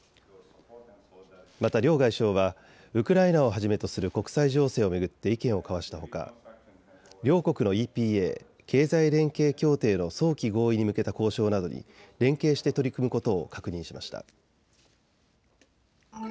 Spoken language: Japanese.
また両外相はウクライナをはじめとする国際情勢を巡って意見を交わしたほか、両国のＥＰＡ・経済連携協定の早期合意に向けた交渉などに連携して取り組むことを確認しました。